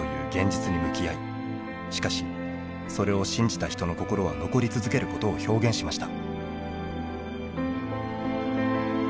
しかしそれを信じた人の心は残り続けることを表現しました。